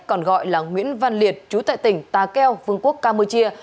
còn gọi là nguyễn văn liệt trú tại tỉnh tà keo vương quốc campuchia